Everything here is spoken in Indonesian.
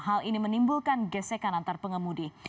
hal ini menimbulkan gesekan antar pengemudi